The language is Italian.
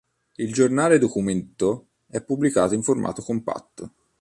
Il giornale-documento è pubblicato in formato compatto.